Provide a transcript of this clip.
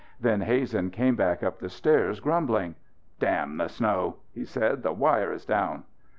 Then Hazen came back up the stairs grumbling. "Damn the snow!" he said. "The wire is down."